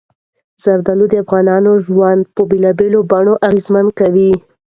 زردالو د افغانانو ژوند په بېلابېلو بڼو اغېزمن کوي.